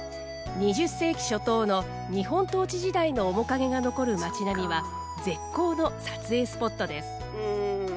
２０世紀初頭の日本統治時代の面影が残る町並みは絶好の撮影スポットです。